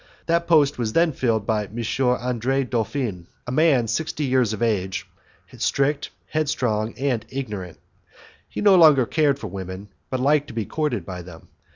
That post was then filled by M. Andre Dolfin, a man sixty years of age, strict, headstrong, and ignorant. He no longer cared for women, but liked to be courted by them.